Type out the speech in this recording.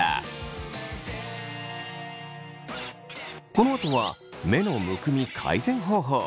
このあとは目のむくみ改善方法。